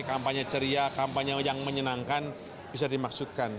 kampanye ceria kampanye yang menyenangkan bisa dimaksudkan